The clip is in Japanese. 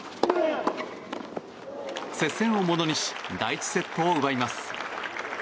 接戦をものにし第１セットを奪います。